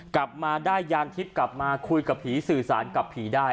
กลับมาได้ยานทิพย์กลับมาคุยกับผีสื่อสารกับผีได้